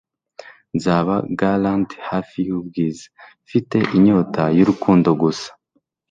nzaba gallant hafi y'ubwiza, mfite inyota y'urukundo gusa